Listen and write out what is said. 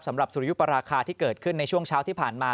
สุริยุปราคาที่เกิดขึ้นในช่วงเช้าที่ผ่านมา